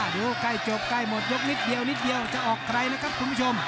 ดูใกล้จบใกล้หมดยกนิดเดียวนิดเดียวจะออกใครแล้วครับคุณผู้ชม